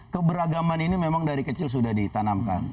keberagaman ini memang dari kecil sudah ditanamkan